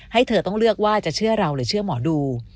ให้เธอต้องเลือกว่าจะเชื่อเราหรือเชื่อหมอดู